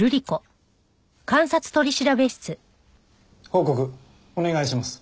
報告お願いします。